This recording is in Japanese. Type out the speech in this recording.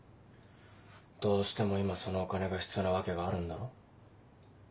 どうしても今そのお金が必要な訳があるんだろ？